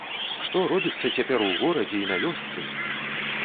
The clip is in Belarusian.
Што робіцца цяпер у горадзе і на вёсцы!